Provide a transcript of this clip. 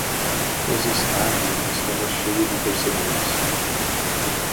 Os estádio estava cheio de torcedores